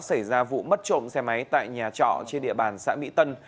xảy ra vụ mất trộm xe máy tại nhà trọ trên địa bàn xã mỹ tân